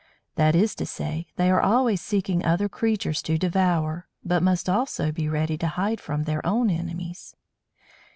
That is to say, they are always seeking other creatures to devour, but must also be ready to hide from their own enemies.